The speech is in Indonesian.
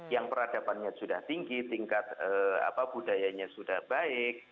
yang peradabannya sudah tinggi tingkat budayanya sudah baik